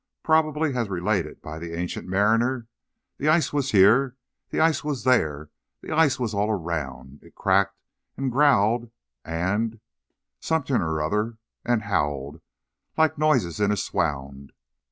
Probably, as related by the Ancient Mariner, 'the ice was here, the ice was there, the ice was all around: it cracked and growled and something or other and howled, like noises in a swound.'